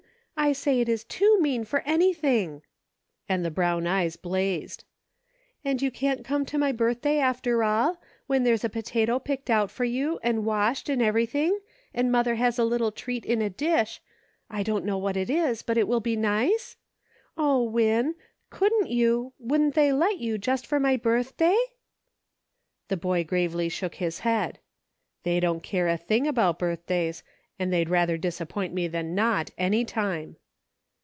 I say it is too mean for any thing !" and the brown eyes blazed. "And you can't come to my birthday, after all, when there's a potato picked out for you, and washed, and everything, and mother has a little treat in a dish ; I don't know what it is, but it will be nice } O, EIGHT AND TWELVE. Win ! couldn't you ; wouldn't they let you, just for my birthday ?" The boy gravely shook his head. " They don't care a thing about birthdays, and they'd rather disappoint me than not, any time."